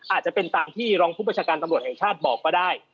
อาจจะเป็นตามที่รองผู้ประชาการตำรวจแห่งชาติบอกก็ได้